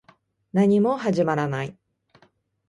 何も始まらない